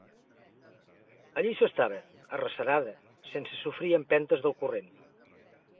Allí s'estava, arrecerada, sense sofrir empentes del corrent.